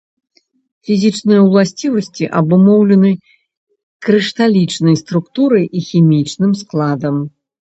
Фізічныя ўласцівасці абумоўлены крышталічнай структурай і хімічным складам.